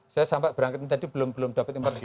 saya sampai berangkat tadi belum dapat informasi